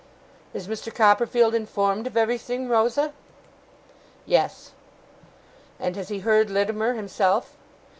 'Is Mr. Copperfield informed of everything, Rosa?' 'Yes.' 'And has he heard Littimer himself?